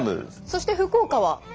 そして福岡は。